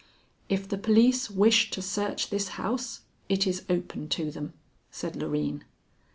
"If the police wish to search this house, it is open to them," said Loreen.